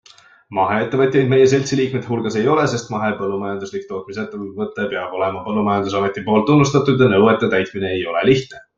Maheettevõtjaid meie seltsi liikmete hulgas ei ole, sest mahepõllumajanduslik tootmisettevõte peab olema põllumajandusameti poolt tunnustatud ja nõuete täitmine ei ole lihtne.